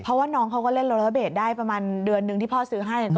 เพราะว่าน้องเขาก็เล่นโลลาเบสได้ประมาณเดือนนึงที่พ่อซื้อให้